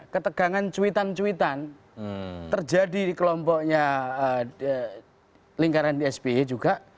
ketegangan cuitan cuitan terjadi di kelompoknya lingkaran spi juga